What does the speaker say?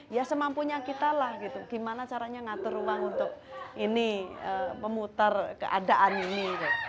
ya semampunya kitalah gimana caranya ngatur ruang untuk ini memutar keadaan ini